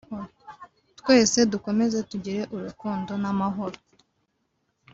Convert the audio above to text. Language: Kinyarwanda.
twese dukomeze tugire urukundo n’amahoro